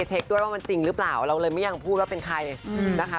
เช็คด้วยว่ามันจริงหรือเปล่า